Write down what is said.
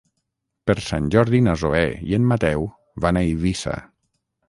Per Sant Jordi na Zoè i en Mateu van a Eivissa.